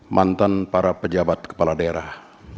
mantan para pejabat kepala daerah